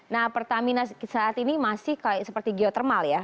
nah pertamina saat ini masih seperti geotermal ya